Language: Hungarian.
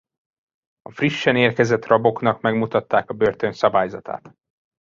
A frissen érkezett raboknak megmutatták a börtön szabályzatát.